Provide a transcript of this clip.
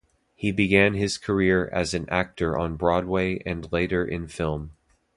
He began his career as an actor on Broadway and later in film.